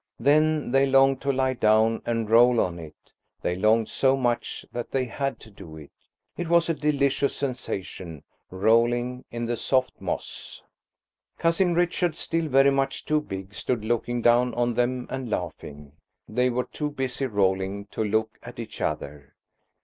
Then they longed to lie down and roll on it; they longed so much that they had to do it. It was a delicious sensation, rolling in the soft moss. Cousin Richard, still very much too big, stood looking down on them and laughing. They were too busy rolling to look at each other.